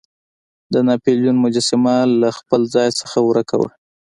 د ناپلیون مجسمه له خپل ځای نه ورک وه.